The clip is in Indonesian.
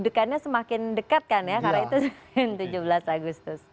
dekannya semakin dekat kan ya karena itu tujuh belas agustus